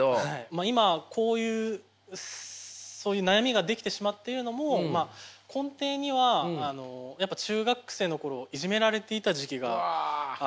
今こういう悩みが出来てしまっているのも根底にはやっぱ中学生の頃いじめられていた時期があって。